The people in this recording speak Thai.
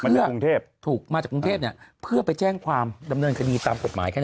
มาจากกรุงเทพเพื่อไปแจ้งความดำเนินคดีตามกฎหมาย